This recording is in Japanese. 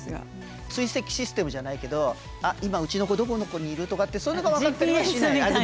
追跡システムじゃないけど「あっ今うちの子どこどこにいる」とかってそういうのが分かったりはしない？